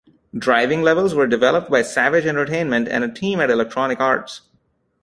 Driving levels were developed by Savage Entertainment and a team at Electronic Arts.